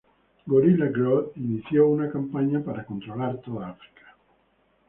Gorilla Grodd inició una campaña para controlar toda África.